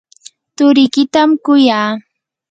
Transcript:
turikitam kuyaa.